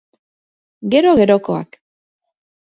Gero, gerokoak